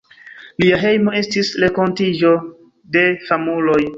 Lia hejmo estis renkontiĝo de famuloj.